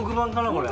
これ。